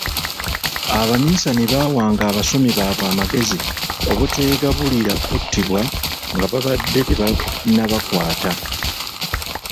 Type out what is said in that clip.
Abamisani baawanga abasomi baabwe amagezi obuteegabulira kuttibwa nga babadde tebannabakwata.